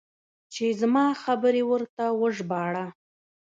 چې زما خبرې ورته وژباړه.